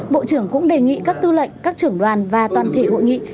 bộ trưởng cũng đề nghị các tư lệnh các trưởng đoàn và toàn thể hội nghị